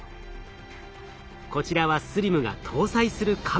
こちらはＳＬＩＭが搭載するカメラです。